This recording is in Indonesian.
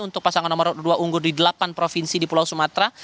untuk pasangan nomor dua unggur di delapan provinsi di pulau sumatera